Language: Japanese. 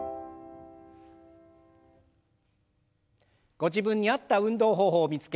ご自分に合った運動方法を見つけ